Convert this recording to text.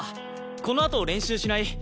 このあと練習しない？